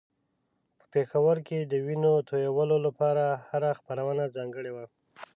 په پېښور کې د وينو تویولو لپاره هره خپرونه ځانګړې وه.